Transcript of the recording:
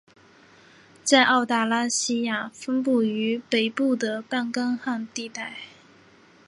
在澳大拉西亚主要分布于北部的半干旱地带。